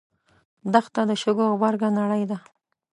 دښته د شګو غبرګه نړۍ ده.